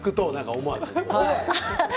思わず。